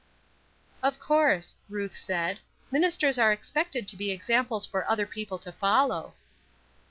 "Of course," Ruth said, "ministers were expected to be examples for other people to follow."